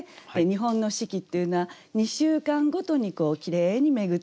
日本の四季っていうのは２週間ごとにきれいに巡っていくと。